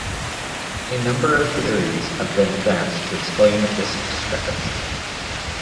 A number of theories have been advanced to explain this discrepancy.